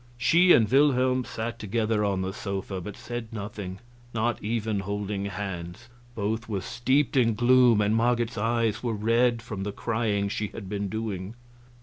She and Wilhelm sat together on the sofa, but said nothing, and not even holding hands. Both were steeped in gloom, and Marget's eyes were red from the crying she had been doing.